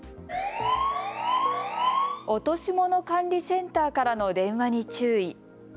落とし物管理センターからの電話に注意。